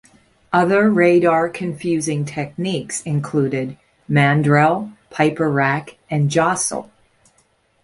Other radar-confusing techniques included Mandrel, Piperack and Jostle.